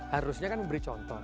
harusnya kan memberi contoh